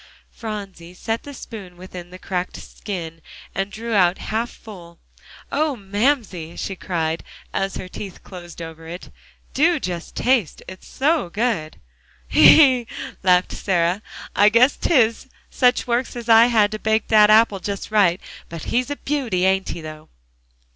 Phronsie set the spoon within the cracked skin, and drew it out half full. "Oh, Mamsie!" she cried, as her teeth closed over it, "do just taste; it's so good!" "Hee hee!" laughed Sarah, "I guess 'tis. Such works as I had to bake dat apple just right. But he's a beauty, ain't he, though?"